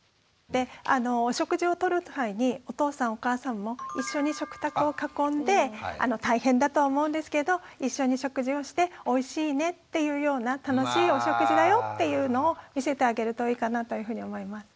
でお食事をとる際にお父さんお母さんも一緒に食卓を囲んで大変だとは思うんですけど一緒に食事をして「おいしいね」っていうような楽しいお食事だよっていうのを見せてあげるといいかなというふうに思います。